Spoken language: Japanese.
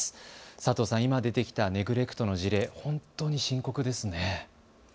佐藤さん、今出てきたネグレクトの事例、本当に深刻ですね。